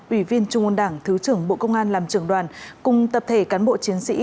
ủy viên trung ương đảng thứ trưởng bộ công an làm trưởng đoàn cùng tập thể cán bộ chiến sĩ